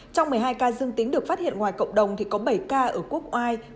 trong một mươi hai ca dương tính được phát hiện ngoài cộng đồng thì có bảy ca ở quốc oai